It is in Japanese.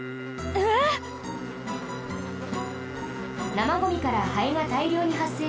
なまゴミからハエがたいりょうにはっせいし